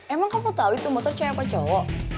emang kamu tahu itu motor cewek apa cowok